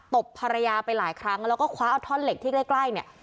บภรรยาไปหลายครั้งแล้วก็คว้าเอาท่อนเหล็กที่ใกล้เนี่ย